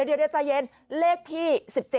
เดี๋ยวใจเย็นเลขที่๑๗